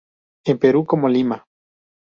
En Perú como lima.